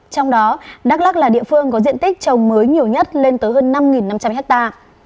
trong đó đắk lắc là địa phương có diện tích trồng mới nhiều nhất lên tới hơn năm năm trăm linh hectare